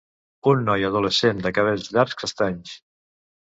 Un noi adolescent de cabells llargs castanys.